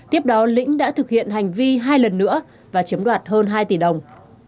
tiếp đó lĩnh đã thực hiện hành vi hai lần nữa và chiếm đoạt hơn hai tỷ đồng